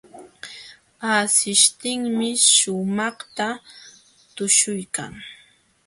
Asishtinmi shumaqta tuśhuykan.